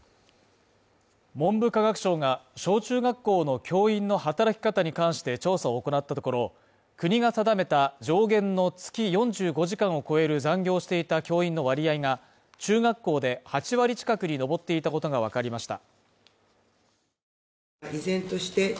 文部科学省が小・中学校の教員の働き方に関して調査を行ったところ、国が定めた上限の月４５時間を超える残業をしていた教員の割合が中学校で８割近くに上っていたことがわかりました。